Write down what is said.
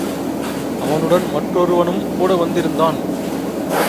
அவனுடன் மற்றொருவனும் கூட வந்திருந்தான்.